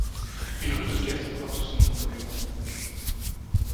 Une rue de Castres porte son nom pour lui rendre hommage.